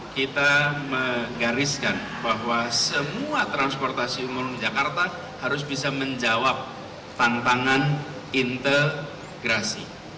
kita menggariskan bahwa semua transportasi umum jakarta harus bisa menjawab tantangan integrasi